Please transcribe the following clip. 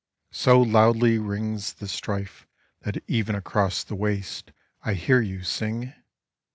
So loudly rings the strife That even across the wastes I hear you sing.